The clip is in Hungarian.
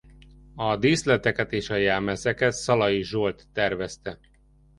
A díszleteket- és a jelmezeket Szalai Zsolt tervezte.